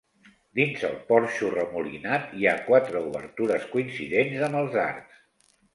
Dins el porxo, remolinat, hi ha quatre obertures, coincidents amb els arcs.